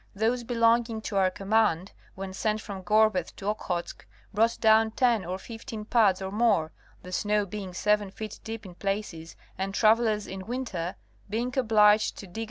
Those be longing to our command, when sent from Gorbeh to Okhotsk, brought down ten or fifteen puds or more, the snow being seven feet deep in places and travelers in winter being obliged to dig